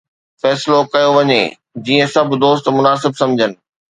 فيصلو ڪيو وڃي جيئن سڀ دوست مناسب سمجهن